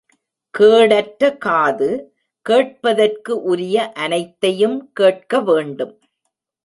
கேடற்ற காது, கேட்பதற்கு உரிய அனைத்தையும் கேட்கவேண்டும்.